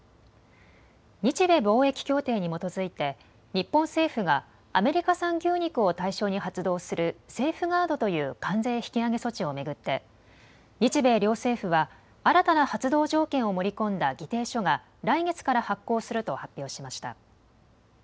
日米貿易協定に基づいて日本政府がアメリカ産牛肉を対象に発動するセーフガードという関税引き上げ措置を巡って日米両政府は新たな発動条件を盛り込んだ議定書が来月から発効すると発表しました。